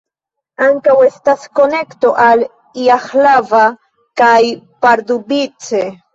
Ankaŭ estas konekto al Jihlava kaj Pardubice.